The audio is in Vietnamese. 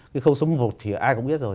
cái khâu số một thì ai cũng biết rồi